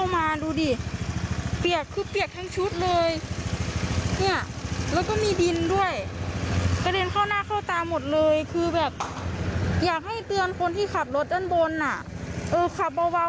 ไม่ว่าจะบนสะพานหรือว่ายังไงก็เถอะ